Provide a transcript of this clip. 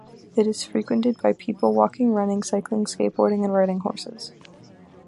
It is frequented by people walking, running, cycling, skateboarding and riding horses.